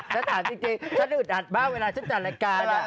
ฉันถามจริงฉันอึดอัดบ้างเวลาฉันจัดรายการ